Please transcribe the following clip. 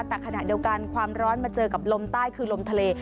แต่ขณะเดียวกันความร้อนมาเจอกับลมใต้คือลมทะเล